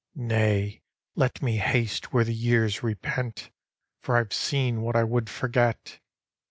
" Nay, let me haste where the years repent, For I ve seen what I would forget."